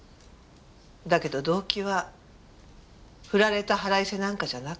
だけど動機はふられた腹いせなんかじゃなかった。